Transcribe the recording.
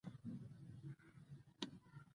هېڅکله په دې اندازه او دومره چټکتیا خپاره شوي نه وو.